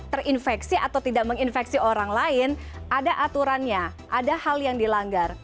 terinfeksi atau tidak menginfeksi orang lain ada aturannya ada hal yang dilanggar